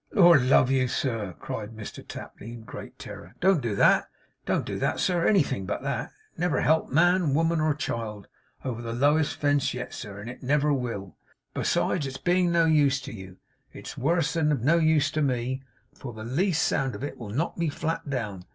'Lord love you, sir!' cried Mr Tapley, in great terror; 'Don't do that! Don't do that, sir! Anything but that! It never helped man, woman, or child, over the lowest fence yet, sir, and it never will. Besides its being of no use to you, it's worse than of no use to me, for the least sound of it will knock me flat down.